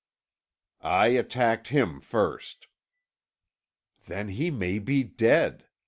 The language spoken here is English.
"I attacked him first." "Then he may be dead!"